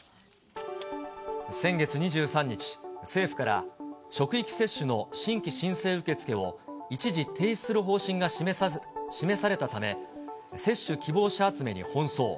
先月２３日、政府から職域接種の新規申請受け付けを一時停止する方針が示されたため、接種希望者集めに奔走。